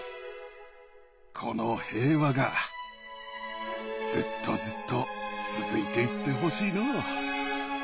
この平和がずっとずっと続いていってほしいのう。